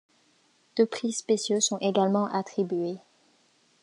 Deux prix spéciaux sont également attribués.